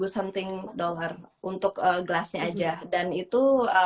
tiga ribu something dollar untuk gelasnya aja dan itu